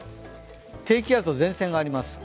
低気圧の前線があります。